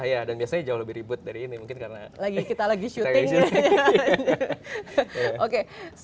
ya dan biasanya jauh lebih ribet dari ini mungkin karena kita lagi shooting